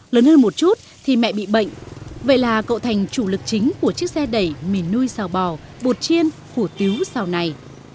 lớn hơn một chút thì mẹ bị bệnh vậy là cậu thành chủ lực chính của chiếc xe đẩy mì nuôi xào bò bột chiên hủ tiếu xào này